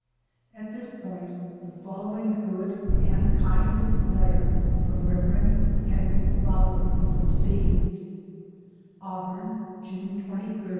At this point the following good and kind letter from Rev. Henry Fowler is received : AUBURN, June 23, 1868.